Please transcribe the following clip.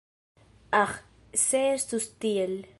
Aĥ, se estus tiel!